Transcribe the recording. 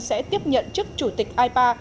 sẽ tiếp nhận chức chủ tịch i ba